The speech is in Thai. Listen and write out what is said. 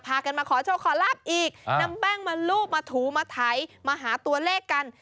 กันมาขอโชคขอรับอีกนำแป้งมารูปมาถูมาไถมาหาตัวเลขกัน